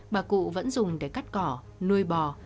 bà cụ vẫn dùng để cắt cỏ nuôi bò